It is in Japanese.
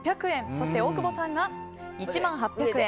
そして大久保さんが１万８００円。